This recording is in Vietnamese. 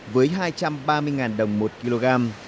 với hai trăm ba mươi đồng